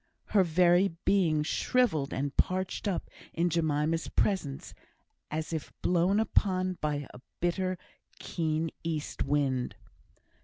Her very being shrivelled and parched up in Jemima's presence, as if blown upon by a bitter, keen, east wind.